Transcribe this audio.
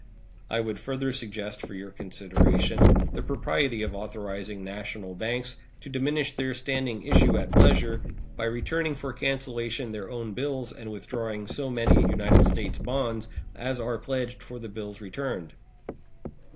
I would further suggest for your consideration the propriety of authorizing national banks to diminish their standing issue at pleasure, by returning for cancellation their own bills and withdrawing so many United States bonds as are pledged for the bills returned.